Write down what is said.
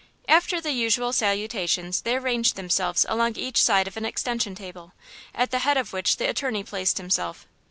After the usual salutations they arranged themselves along each side of an extension table, at the head of which the attorney placed himself.